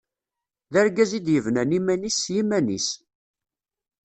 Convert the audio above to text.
D argaz i d-yebnan iman-is s yiman-is.